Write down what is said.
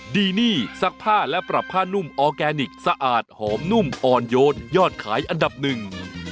ดีนี่ซักผ้าและปรับผ้านุ่มออร์แกนิคสะอาดหอมนุ่มอ่อนโยนยอดขายอันดับหนึ่ง